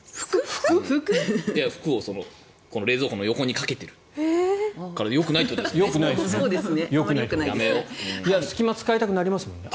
服を冷蔵庫の横にかけてるからあまりよくないですね。